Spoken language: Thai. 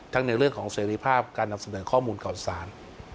ในเรื่องของเสรีภาพการนำเสนอข้อมูลข่าวสาร